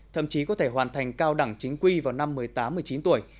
thậm chí có thể hoàn thành cao đẳng chính quy vào năm một mươi tám một mươi chín tuổi